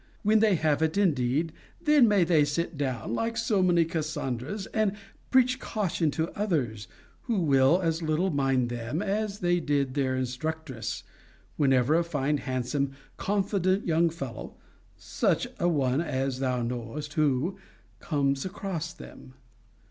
When they have it indeed, then may they sit down, like so many Cassandras, and preach caution to others; who will as little mind them as they did their instructresses, whenever a fine handsome confidant young fellow, such a one as thou knowest who, comes across them.